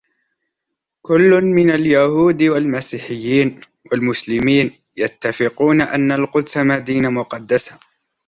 كلّ من اليهود و المسيحيّين و المسلمين يتّفقون أنّ القدس مدينة مقدّسة.